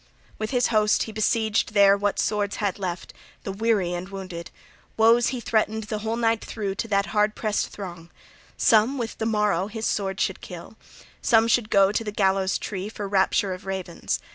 With his host he besieged there what swords had left, the weary and wounded; woes he threatened the whole night through to that hard pressed throng: some with the morrow his sword should kill, some should go to the gallows tree for rapture of ravens.